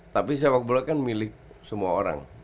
tapi sepak bola kan milik semua orang